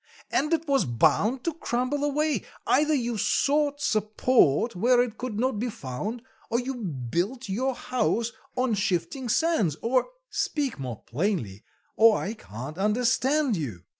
"And it was bound to crumble away. Either you sought support where it could not be found, or you built your house on shifting sands, or " "Speak more plainly, or I can't understand you."